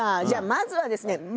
じゃあまずはですね